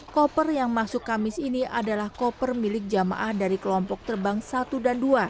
koper yang masuk kamis ini adalah koper milik jamaah dari kelompok terbang satu dan dua